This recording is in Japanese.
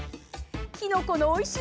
きのこのおいしい